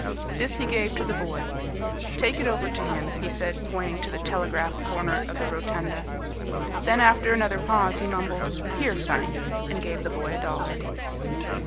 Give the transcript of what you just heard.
This he gave to the boy. "Take it over to him," he said, pointing to the telegraph corner of the rotunda. Then after another pause he mumbled, "Here, sonny," and gave the boy a dollar.